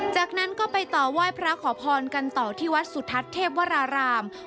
จากนั้นก็ไปต่อไหว้พระขอพรกันต่อที่วัดสุทัศน์เทพวราราม